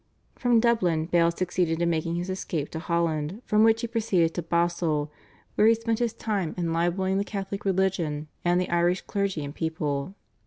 From Dublin Bale succeeded in making his escape to Holland, from which he proceeded to Basle, where he spent his time in libelling the Catholic religion and the Irish clergy and people.